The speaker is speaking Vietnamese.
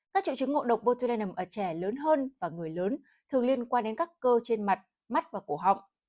các triệu chứng ngộ độc botland ở trẻ lớn hơn và người lớn thường liên quan đến các cơ trên mặt mắt và cổ họng